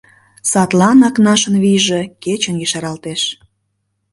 Садлан Акнашын вийже кечын ешаралтеш.